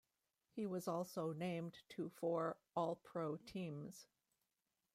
He was also named to four All-Pro teams.